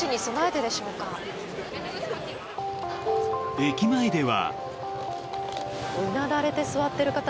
駅前では。